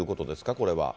これは。